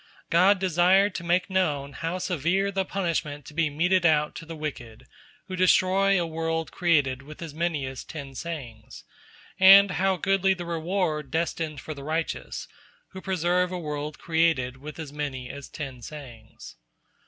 God desired to make known how severe is the punishment to be meted out to the wicked, who destroy a world created with as many as ten Sayings, and how goodly the reward destined for the righteous, who preserve a world created with as many as ten Sayings.